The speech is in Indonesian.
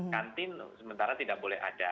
kantin sementara tidak boleh ada